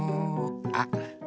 あっ！